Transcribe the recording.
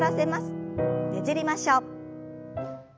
ねじりましょう。